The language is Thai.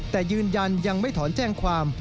แต่ยืนยันยังไม่ถอนแจ้งความ